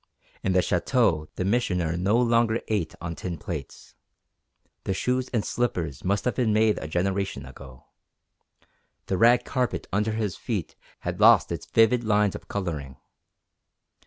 In the Château the Missioner no longer ate on tin plates. The shoes and slippers must have been made a generation ago. The rag carpet under his feet had lost its vivid lines of colouring.